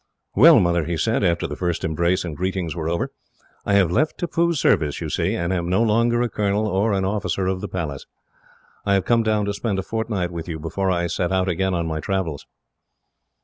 "Well, Mother," he said, after the first embrace and greetings were over, "I have left Tippoo's service, you see, and am no longer a colonel, or an officer of the Palace. I have come down to spend a fortnight with you, before I set out again on my travels."